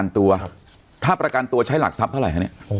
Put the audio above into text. ถ้าประการตัวใช้หลักทรัพย์เท่าไร